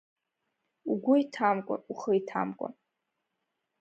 Угәы иҭамкәа, ухы иҭамкәа!